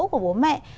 của bố mẹ